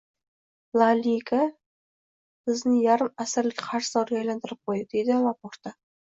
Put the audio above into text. “La Liga bizni yarim asrlik qarzdorga aylantirib qo‘ydi”, — deydi Laporta